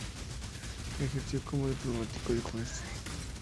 Ejerció como diplomático y juez.